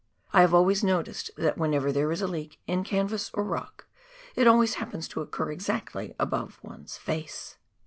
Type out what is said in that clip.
I have always noticed that whenever there is a leak in canvas or rock, it always happens to occur exactly above one's face